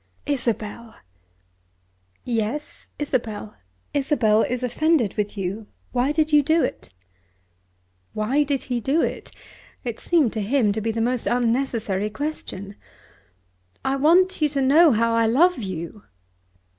"Isabel!" "Yes; Isabel! Isabel is offended with you. Why did you do it?" Why did he do it? It seemed to him to be the most unnecessary question. "I want you to know how I love you."